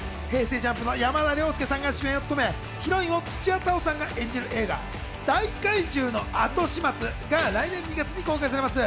ＪＵＭＰの山田涼介さんが主演を務め、ヒロインを土屋太鳳さんが演じる映画『大怪獣のあとしまつ』が来年２月に公開されます。